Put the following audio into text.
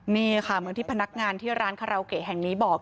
นี่ค่ะเหมือนที่พนักงานที่ร้านคาราโอเกะแห่งนี้บอก